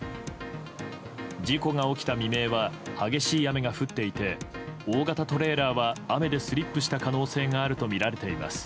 事故が起きた未明は激しい雨が降っていて大型トレーラーは雨でスリップした可能性があるとみられています。